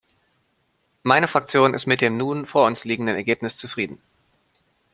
Meine Fraktion ist mit dem nun vor uns liegenden Ergebnis zufrieden.